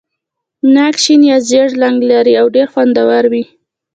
ناک شین یا ژېړ رنګ لري او ډېر خوندور وي.